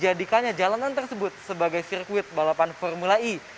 yang pertama untuk menjadikan jalanan tersebut sebagai sirkuit balapan formula e